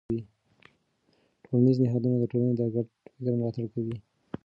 ټولنیز نهادونه د ټولنې د ګډ فکر ملاتړ کوي.